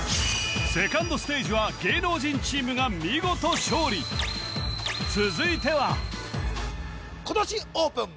セカンドステージは芸能人チームが見事勝利続いては今年オープン！